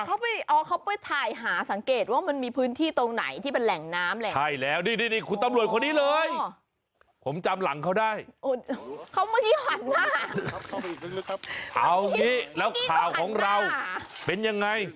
เขาไปอ๋อเขาไปถ่ายหาสังเกตว่ามันมีพื้นที่ตรงไหนที่มันแหล่งน้ำแหล่ง